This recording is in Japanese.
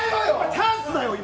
チャンスだよ、今！